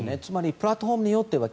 プラットフォーマーにとっては